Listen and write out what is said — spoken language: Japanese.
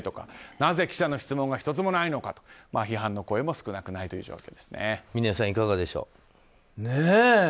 なぜ記者の質問が１つもないのかと批判の声も少なくないという状況ですね。